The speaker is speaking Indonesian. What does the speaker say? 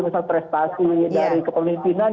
misalnya prestasi dari kepemimpinan